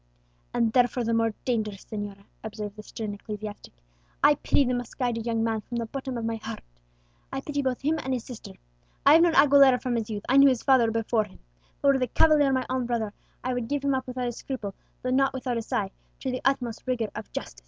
"And therefore the more dangerous, señora," observed the stern ecclesiastic. "I pity the misguided young man from the bottom of my heart. I pity both him and his sister. I have known Aguilera from his youth: I knew his father before him. But were the cavalier my own brother, I would give him up without a scruple, though not without a sigh, to the utmost rigour of justice."